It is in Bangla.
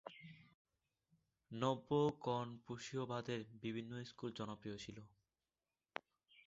নব্য-কনফুসীয়বাদের বিভিন্ন স্কুল জনপ্রিয় ছিল।